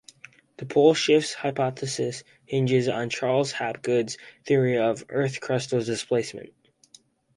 The pole-shift hypothesis hinges on Charles Hapgood's theory of Earth Crustal Displacement.